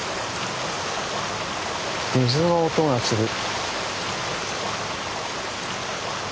水の音がする。